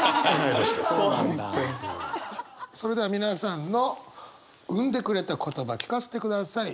それでは皆さんの生んでくれた言葉聞かせてください。